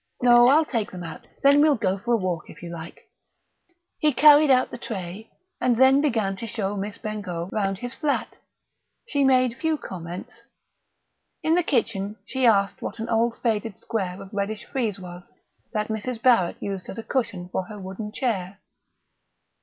"No, I'll take them out; then we'll go for a walk, if you like...." He carried out the tray, and then began to show Miss Bengough round his flat. She made few comments. In the kitchen she asked what an old faded square of reddish frieze was, that Mrs. Barrett used as a cushion for her wooden chair.